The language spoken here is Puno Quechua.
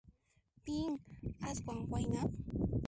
Pin aswan wayna?